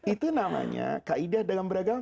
itu namanya kaidah dalam beragam